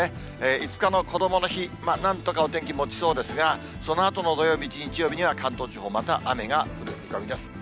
５日のこどもの日、なんとかお天気もちそうですが、そのあとの土曜日、日曜日には関東地方、また雨が降る見込みです。